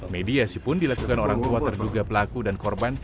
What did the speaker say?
mediasi pun dilakukan orang tua terduga pelaku dan korban